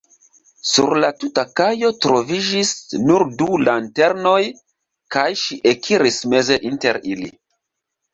Sur la tuta kajo troviĝis nur du lanternoj, kaj ŝi ekiris meze inter ili.